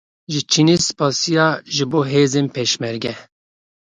Ji Çînê spasiya ji bo Hêzên Pêşmerge